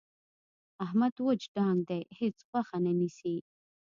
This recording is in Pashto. احمد وچ ډانګ دی. هېڅ غوښه نه نیسي.